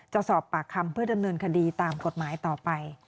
จะสอบปากคำเพื่อดำเนินคดีตามกฎหมายต่อไป